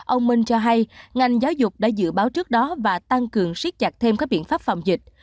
ông minh cho hay ngành giáo dục đã dự báo trước đó và tăng cường siết chặt thêm các biện pháp phòng dịch